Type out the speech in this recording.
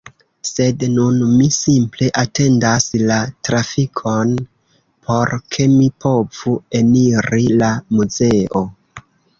Sed nun mi simple atendas la trafikon por ke mi povu eniri la muzeo